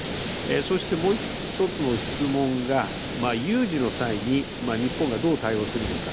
そして、もう一つの質問が有事の際に日本がどう対応するのか。